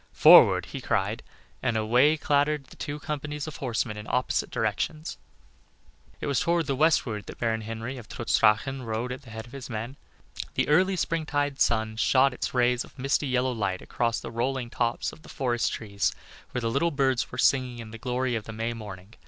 "Forward!" he cried, and away clattered the two companies of horsemen in opposite directions. It was toward the westward that Baron Henry of Trutz Drachen rode at the head of his men. The early springtide sun shot its rays of misty, yellow light across the rolling tops of the forest trees where the little birds were singing in the glory of the May morning.